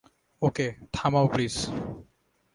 ওকে, থামাও প্লিজ।